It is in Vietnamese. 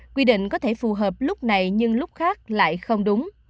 quy định có thể phù hợp lúc này nhưng lúc khác lại không đúng